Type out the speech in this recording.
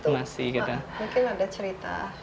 mungkin ada cerita